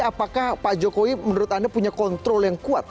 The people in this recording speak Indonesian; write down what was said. apakah pak jokowi menurut anda punya kontrol yang kuat